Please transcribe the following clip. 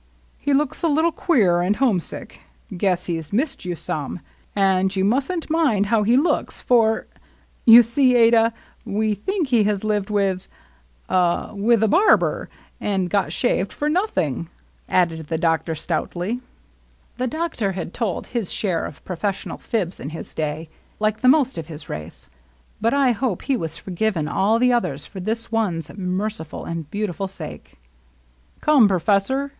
He looks a little queer and home sick — guess he's missed you some — and you must n't mind how he looks, for — you see, Adah, we think he has lived with a — with a barber, and got shaved for nothing !" added the doctor stoutly. 40 LOVELINESS. The doctor had told his shaxe of professional fibs in his day^ like the most of his rai^e ; but I hope he was forgiven aJl the oiliera for this one's merciful and beautiful sake. " Come, professor